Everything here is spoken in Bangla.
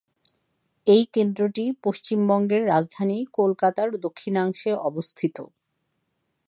এই কেন্দ্রটি পশ্চিমবঙ্গের রাজধানী কলকাতার দক্ষিণাংশে অবস্থিত।